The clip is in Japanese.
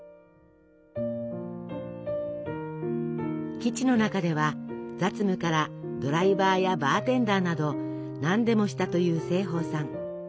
基地の中では雑務からドライバーやバーテンダーなど何でもしたという盛保さん。